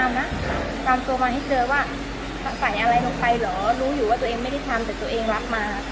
ไม่ได้ทำแต่ตัวเองรับมา